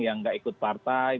yang gak ikut partai